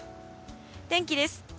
天気です。